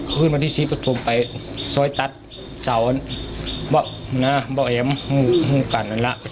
ขึ้นมาที่ชิปเพราะผมไปโซยตัดเจ้าว่าน่ะบ่เอมหุ้งกันนั่นแหละ